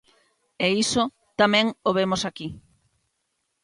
E iso tamén o vemos aquí.